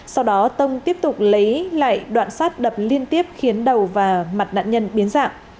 sau đó tông tiếp tục lấy lại đoạn sát đập liên tiếp khiến đầu và mặt nạn nhân biến dạng